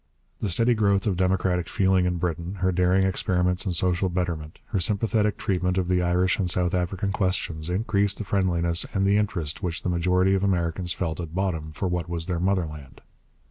The steady growth of democratic feeling in Britain, her daring experiments in social betterment, her sympathetic treatment of the Irish and South African questions, increased the friendliness and the interest which the majority of Americans felt at bottom for what was their motherland.